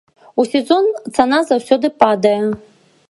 У сезон цана заўсёды падае.